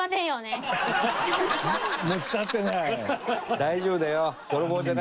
大丈夫だよ。